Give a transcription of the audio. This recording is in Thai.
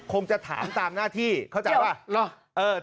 คงจะถามตามหน้าที่เข้าใจป่ะ